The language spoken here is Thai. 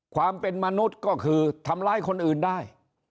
ความเป็นมนุษย์ก็คือทำร้ายคนอื่นได้